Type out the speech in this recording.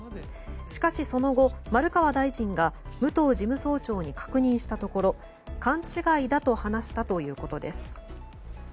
しかし、その後丸川大臣が武藤事務総長に確認したところ、勘違いだと話したということです。